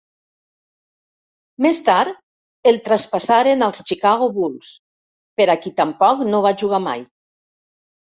Més tard el traspassaren als Chicago Bulls, per a qui tampoc no va jugar mai.